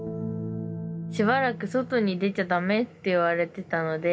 しばらく外に出ちゃ駄目って言われてたので。